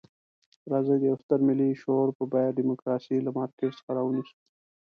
راځئ د یوه ستر ملي شعور په بیه ډیموکراسي له مارکېټ څخه رانیسو.